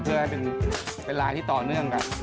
เพื่อให้เป็นลายที่ต่อเนื่องกัน